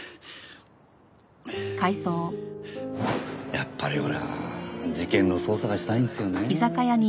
やっぱり俺は事件の捜査がしたいんですよね。